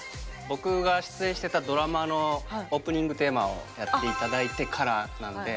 僕が出演してたドラマのオープニングテーマをやって頂いてからなんで。